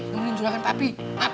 kemudian juragan papi